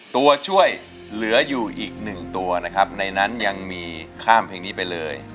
ตัวช่วยเหลืออยู่อีกหนึ่งตัวนะครับในนั้นยังมีข้ามเพลงนี้ไปเลย